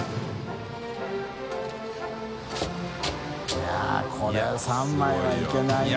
いこれ３枚はいけないな。